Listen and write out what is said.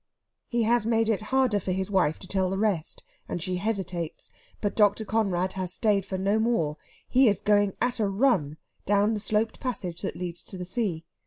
He has made it harder for his wife to tell the rest, and she hesitates. But Dr. Conrad has stayed for no more. He is going at a run down the sloped passage that leads to the sea.